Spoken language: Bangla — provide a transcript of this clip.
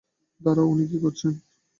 দাঁড়াও, উনি কী করছেন?